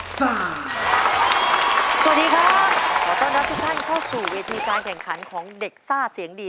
สวัสดีครับขอต้อนรับทุกท่านเข้าสู่เวทีการแข่งขันของเด็กซ่าเสียงดี